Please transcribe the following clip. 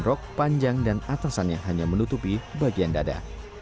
rok panjang dan atasannya hanya menutupi bagian dada